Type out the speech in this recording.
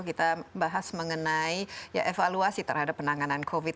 kita bahas mengenai evaluasi terhadap penanganan covid sembilan